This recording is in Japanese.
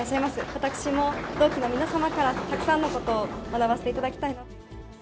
私も同期の皆様から、たくさんのことを学ばせていただきたいなと。